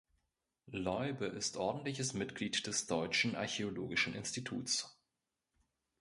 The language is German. Leube ist ordentliches Mitglied des Deutschen Archäologischen Instituts.